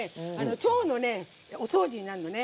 腸のお掃除になるのね。